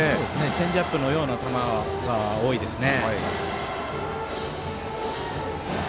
チェンジアップのような球が多いですね。